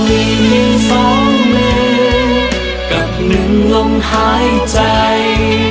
มีสองมือกับหนึ่งลมหายใจ